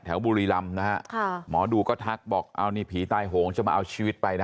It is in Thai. บุรีรำนะฮะหมอดูก็ทักบอกเอานี่ผีตายโหงจะมาเอาชีวิตไปนะ